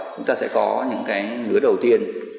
chúng ta sẽ có những cái lứa đầu tiên